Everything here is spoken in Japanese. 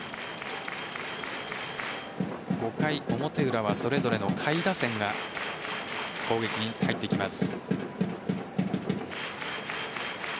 ５回表裏はそれぞれの下位打線が攻撃に入ってきます。